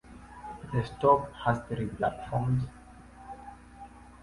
The stop has three platforms.